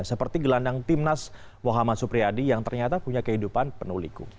seperti gelandang timnas muhammad supriyadi yang ternyata punya kehidupan penuh liku